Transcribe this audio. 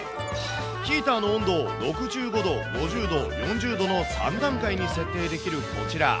ヒーターの温度を６５度、５０度、４０度の３段階に設定できるこちら。